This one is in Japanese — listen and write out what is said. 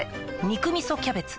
「肉みそキャベツ」